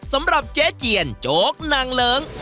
สำหรับเจ๊เจียนโจ๊กนางเลิ้ง